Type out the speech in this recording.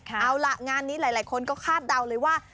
เอาล่ะงานนี้หลายคนก็คาดเดาเลยว่า